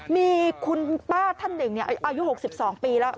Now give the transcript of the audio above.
มีคุณป้าท่านหนึ่งอายุ๖๒ปีแล้ว